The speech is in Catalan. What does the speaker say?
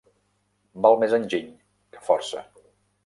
Val més enginy que força.